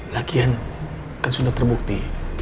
lagian kan sudah terbukti